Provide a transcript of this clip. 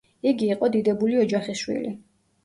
იგი იყო დიდებული ოჯახის შვილი.